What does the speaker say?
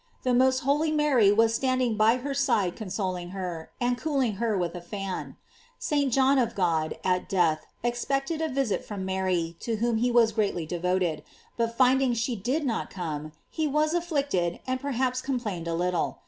The most holy Mary was stand ing by her side consoling her, and cooling her with a fan. St. John of God, at death, expected a visit from Mary, to whom he was greatly devot ed; but finding she did not come, he was afflict ed, and perhaps complained a little.